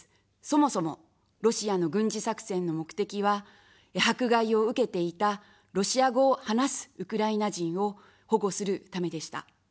そもそも、ロシアの軍事作戦の目的は、迫害を受けていたロシア語を話すウクライナ人を保護するためでした。